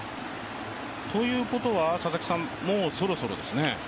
ということは、もうそろそろですね？